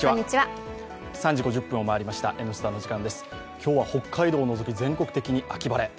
今日は北海道を除き、全国的に秋晴れ。